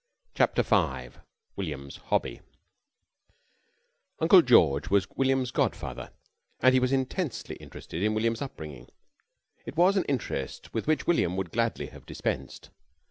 CHAPTER V WILLIAM'S HOBBY Uncle George was William's godfather, and he was intensely interested in William's upbringing. It was an interest with which William would gladly have dispensed.